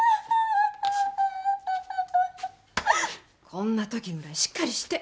こんなときぐらいしっかりして。